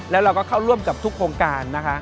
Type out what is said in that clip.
แล้วเราก็เข้าร่วมกับทุกโครงการนะคะ